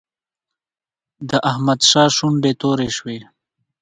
د احمد شونډې تورې شوې.